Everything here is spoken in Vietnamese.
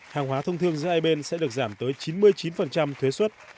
hàng hóa thông thương giữa hai bên sẽ được giảm tới chín mươi chín thuế xuất